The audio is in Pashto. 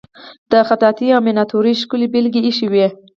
د خطاطی او میناتوری ښکلې بیلګې ایښې وې.